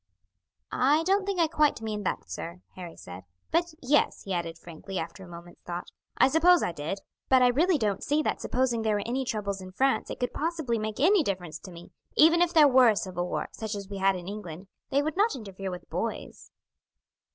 "I don't think I quite meant that, sir," Harry said; "but yes," he added frankly, after a moment's thought, "I suppose I did; but I really don't see that supposing there were any troubles in France it could possibly make any difference to me; even if there were a civil war, such as we had in England, they would not interfere with boys."